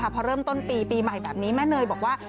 พอเริ่มต้นปีปีใหม่แบบนี้แม่เนยบอกว่า